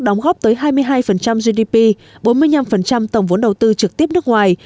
đóng góp tới hai mươi hai gdp bốn mươi năm tổng vốn đầu tư trực tiếp nước ngoài